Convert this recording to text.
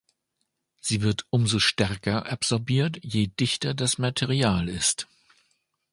Sie wird umso stärker absorbiert, je dichter das Material ist.